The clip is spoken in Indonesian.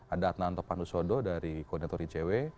ada atna antopandusodo dari koordinator icw